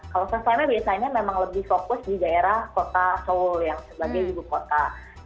kalau suasana biasanya memang lebih fokus di daerah kota seoul yang sebagai ibu kota